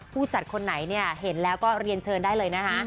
ผู้จัดคนไหนเนี่ยเห็นแล้วก็เรียนเชิญได้เลยนะคะ